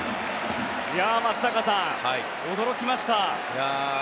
松坂さん、驚きました。